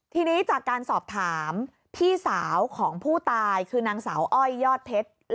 ทีนี้จากการสอบถามพี่สาวของผู้ตายคือนางสาวอ้อยยอดเพชร